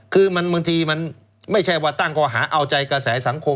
คือบางทีมันไม่ใช่ว่าตั้งข้อหาเอาใจกระแสสังคม